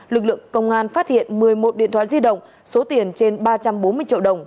lực lượng công an phát hiện một mươi một điện thoại di động số tiền trên ba trăm bốn mươi triệu đồng